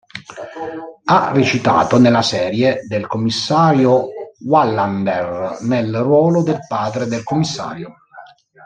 Ha recitato nella serie del Commissario Wallander nel ruolo del padre del Commissario.